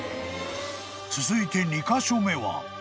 ［続いて２カ所目は］